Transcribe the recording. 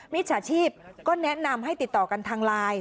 มิจฉาชีพก็แนะนำให้ติดต่อกันทางไลน์